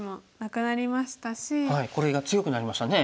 これが強くなりましたね。